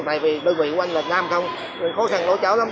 tại vì đơn vị của anh là nam không nên khó khăn nấu cháo lắm